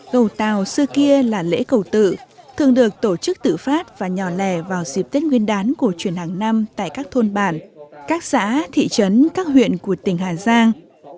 cầu tàu xưa kia là lễ cầu tự thường được tổ chức tự phát và nhỏ lẻ vào dịp tết nguyên đán cổ truyền hàng năm tại các thôn bản các xã thị trấn các huyện của tỉnh hà giang